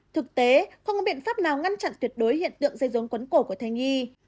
thực tế không có biện pháp nào ngăn chặn tuyệt đối hiện tượng dây rốn quấn cổ của thai nhi